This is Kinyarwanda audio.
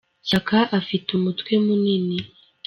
Shyaka afite umutwe munini.